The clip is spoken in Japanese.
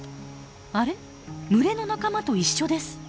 あれ群れの仲間と一緒です。